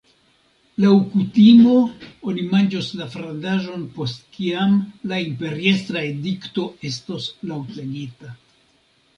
Laŭ kutimo oni manĝos la frandaĵon post kiam la imperiestra edikto estos laŭtlegita.